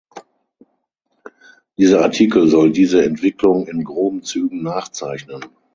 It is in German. Dieser Artikel soll diese Entwicklung in groben Zügen nachzeichnen.